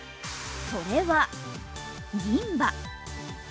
それは銀歯。